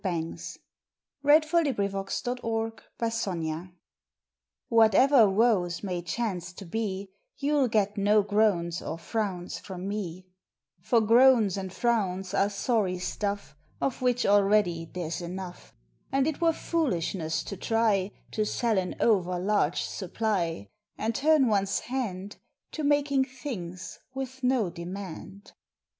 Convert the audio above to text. August Ninth DEMAND AND SUPPLY VK7TIATEVER woes may chance to be You ll get no groans or frowns from me, For groans and frowns are sorry stuff Of which already there s enough And it were foolishness to try To sell an over large supply, And turn one s hand To making things with no demand.